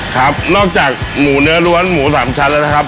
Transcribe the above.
ครับนอกจากหมูเนื้อล้วนหมูสามชั้นแล้วนะครับ